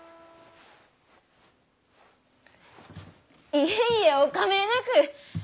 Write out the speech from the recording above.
いえいえお構えなく！